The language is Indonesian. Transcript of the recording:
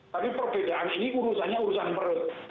tapi perbedaan ini urusannya urusan perut